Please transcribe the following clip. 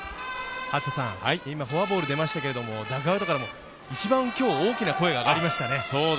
今、フォアボールが出ましたけども、ダグアウトからも一番今日大きな声があがりましたね。